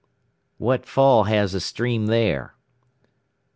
"What fall has the stream there?"